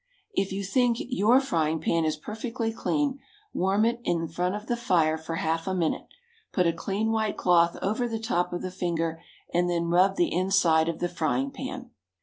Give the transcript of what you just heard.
If you think your frying pan is perfectly clean, warm it in front of the fire for half a minute, put a clean white cloth over the top of the finger, and then rub the inside of the frying pan.